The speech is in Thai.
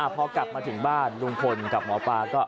พอกลับมาถึงบ้านลุงพลกับหมอปลาก็